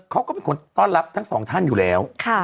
เขาก็เป็นคนต้อนรับทั้งสองท่านอยู่แล้ว